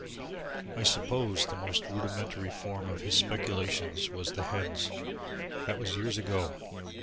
I suppose the most rudimentary form of his speculation was the hens. That was years ago.